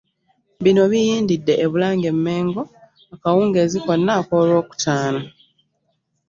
Bino biyindidde e Bulange -Mmengo akawungeezi konna ak'olwokutaano.